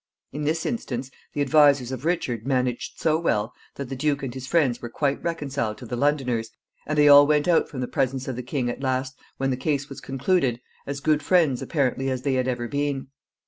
In this instance, the advisers of Richard managed so well that the duke and his friends were quite reconciled to the Londoners, and they all went out from the presence of the king at last, when the case was concluded, as good friends apparently as they had ever been.